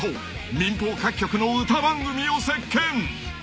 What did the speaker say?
［民放各曲の歌番組を席巻］